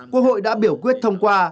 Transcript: quốc hội đã biểu quyết thông qua